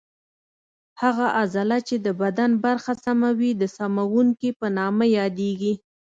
هغه عضله چې د بدن برخه سموي د سموونکې په نامه یادېږي.